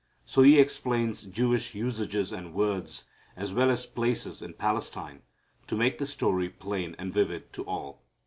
So he explains Jewish usages and words as well as places in Palestine, to make the story plain and vivid to all.